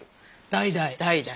代々。